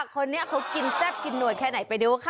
คนนี้เขากินแซ่บกินหน่วยแค่ไหนไปดูค่ะ